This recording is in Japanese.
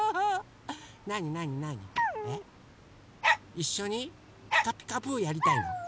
いっしょに「ピカピカブ！」やりたいの？